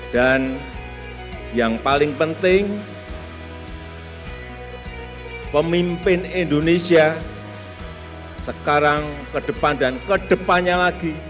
dan yang paling penting pemimpin indonesia sekarang ke depan dan ke depannya lagi